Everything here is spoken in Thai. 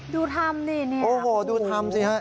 ดูทำดินี่โอ้โหดูทำสิฮะ